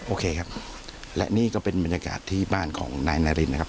โอเคครับและนี่ก็เป็นบรรยากาศที่บ้านของนายนารินนะครับ